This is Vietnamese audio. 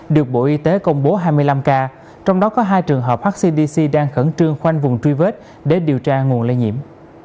được bộ y tế công bố hai mươi năm ca trong đó có hai trường hợp vaccine dc đang khẩn trương khoanh vùng truy vết để điều tra nguồn lây nhiễm